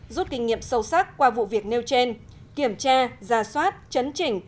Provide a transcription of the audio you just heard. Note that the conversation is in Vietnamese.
rút kinh nghiệm sâu sắc qua vụ việc nêu trên kiểm tra ra soát chấn chỉnh